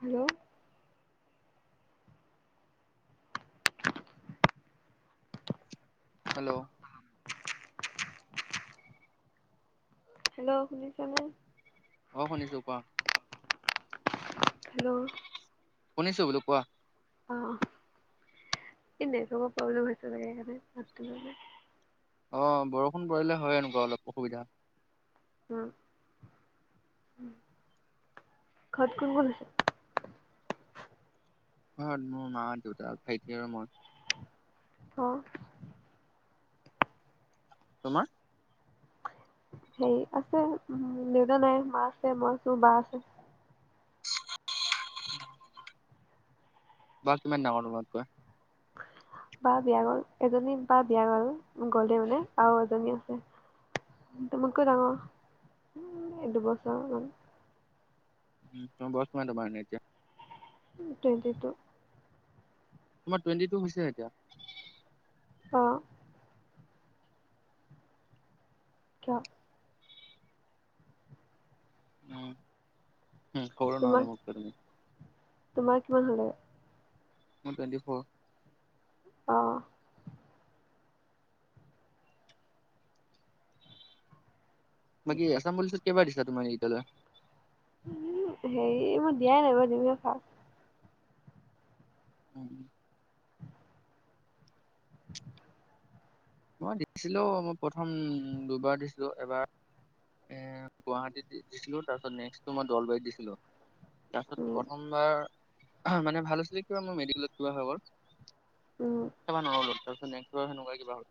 Hello. Hello. Hello শুনিছ' নে? অ', শুনিছোঁ কোৱা। হেল্ল'। শুনিছো বোলো কোৱা। অ', এ' নেটৱৰ্কৰ প্ৰব্লেম হৈছে চাগে হেইকাণে মাতটো লোৱা নাই। অ', বৰষুণ পৰিলে হয় এনেকুৱা অলপ অসুবিধা। উ, উ, ঘৰত কোন-কোন আছে। ঘৰত মোৰ মা, দেউতা, ভাইটি আৰু মই। অ'। তোমাৰ? হেই আছে, উম, দেউতা নাই, মা আছে, মই আছোঁ, বা আছে। বা কিমান ডাঙৰ তুমাতকৈ। বা বিয়া গ'ল, এজনী বা বিয়া গ'ল গ'লেই মানে আৰু এজনী আছে তোমাতকৈ ডাঙৰ উম, দুবছৰ মান। [unintelligible] নে এতিয়া টুৱেণ্টি টু। তোমাৰ টুৱেণ্টি টু হৈছে এতিয়া? অ। কিয়? উম। হুম সৰু নহ'লে মোতকৈ তুমি তোমাক-তোমাৰ কিমান হ'লে? মোৰ টুৱেণ্টি ফ'ৰ্‌। অ। বাকী আসাম পুলিচত কেইবাৰ দিছিলা তোমাৰে [unintelligible] উম্‌-হেৰি- এই মোৰ দিয়াই নাই মই দিম ৰবা। উম। মই দিছিলো, মই প্ৰথম দুবাৰ দিছিলো, এবাৰ এ গুৱাহাটীত দিছিলো, তাৰপিছত নেক্সটটো মই দলবাৰীত দিছিলো। তাৰছত উম, প্ৰথমবাৰ আহ্‌হা মানে ভাল আছিলে কিয় মোৰ মেডিকেলত কিবা হৈ গ'ল! উম, খেলবা নৰু [unintelligible] নেকচবাৰ হেনেকোবা কিবা হল।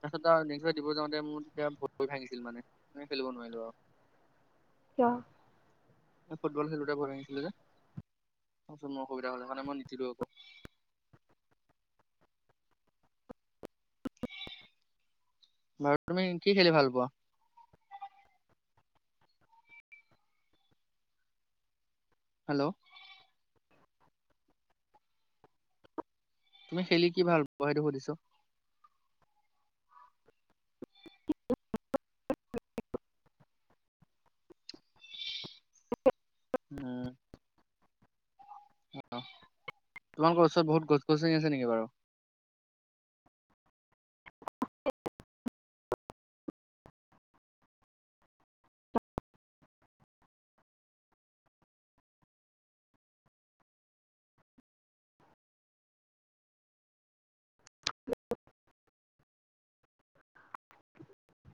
তাৰপিছত আৰু নেক্সবাৰ দিব যাওঁতে মোৰ তেতিয়া ভয়ি ভাঙিছিল মানে মেই কাৰনে খেলিব নোৱাৰিলো আৰু। কিয়। ম‌ই ফুটবল খেলুতে ভৰি ভাগিছিলে যে, তাৰ পিছত মোৰ অসুবিধা হ'লে, সেইকাৰণে মই নিতিলো আকৌ। বাৰু তুমি কি কি খেলি ভাল পোৱা? হেল্ল'! তুমি খেলি কি ভাল পোৱা সেইটো সুধিছোঁ? [inaudible] উম অ তোমালোকৰ ওচৰত বহুত গছ গছনি আছে নেকি বাৰু? [inaudible]